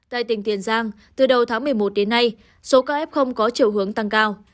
tại tỉnh tiền giang từ đầu tháng một mươi một đến nay số ca f có chiều hướng tăng cao